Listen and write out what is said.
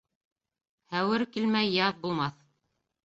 Һәүер килмәй яҙ булмаҫ.